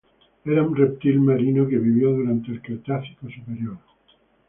Era un reptil marino que vivió durante el Cretácico Superior.